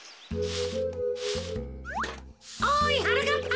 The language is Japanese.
おいはなかっぱ。